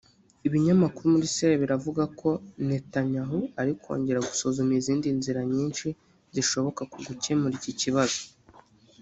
Ibinyamakuru muri Israel biravuga ko Netanyahu ari kongera gusuzuma izindi nzira nyinshi zishoboka ku gukemura iki kibazo